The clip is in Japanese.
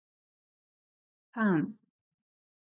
パン